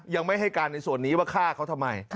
ยังไม่ให้การในส่วนนี้ว่าฆ่าเขาทำไม